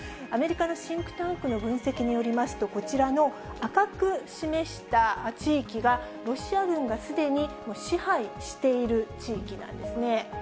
アメリカのシンクタンクの分析によりますと、こちらの赤く示した地域がロシア軍がすでに支配している地域なんですね。